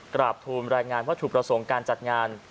กราบทูลรายงานวัตถุประสงค์การจัดงาน